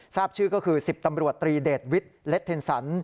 ทราบชื่อก็คือ๑๐ตำรวจตรีเดชวิทย์เล็ดเทนสัน